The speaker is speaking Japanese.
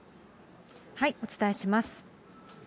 お伝えします。